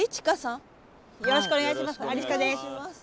よろしくお願いします。